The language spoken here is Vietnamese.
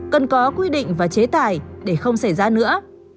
cần có quy định và chế tài để không xảy ra nữa